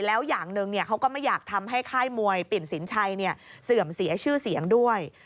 แล้วอย่างหนึ่งเขาก็ไม่อยากทำให้ค่ายมวยปิ่นสินชัยเสื่อมเสียชื่อเสียงด้วย